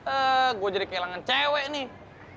eh gue jadi kehilangan cewek nih